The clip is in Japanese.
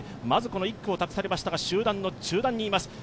まず１区を託されましたが、終盤の中段にいます。